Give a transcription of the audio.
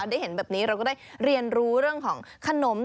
ได้เห็นแบบนี้เราก็ได้เรียนรู้เรื่องของขนม